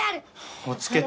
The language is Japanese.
落ち着けって。